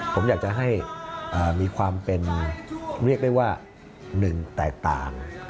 ผมอยากจะให้มีความเป็นเรียกได้ว่าหนึ่งแตกต่าง